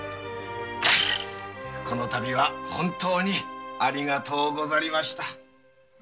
このたびは本当にありがとうございました。